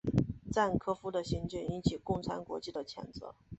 赞科夫的行径引起共产国际的谴责。